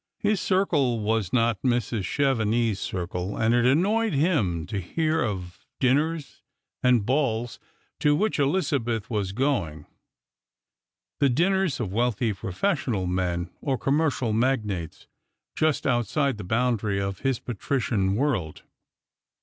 His circle was not Mrs. Chevenix's circle, and it annoyed him to hear of dinners and balls to which Elizabeth was going, the dinners of wealthy professional men or commercial magnates, just outside the boundary of his patrician world.